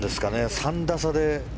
３打差で。